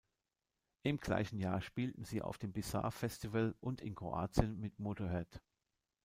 Im gleichen Jahr spielten sie auf dem Bizarre-Festival und in Kroatien mit Motörhead.